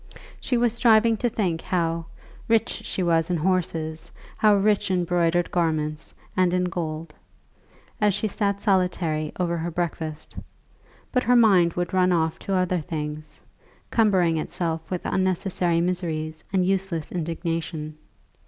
She was striving to think how "rich she was in horses, how rich in broidered garments and in gold," as she sat solitary over her breakfast; but her mind would run off to other things, cumbering itself with unnecessary miseries and useless indignation.